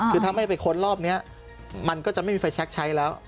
คือถ้าไม่ไปค้นรอบนี้มันก็จะไม่มีไฟแชคใช้แล้ว